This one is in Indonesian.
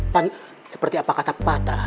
pan seperti apa kata patah